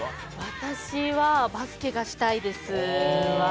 私は「バスケがしたいです」。